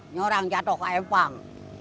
norang jatuh ke empang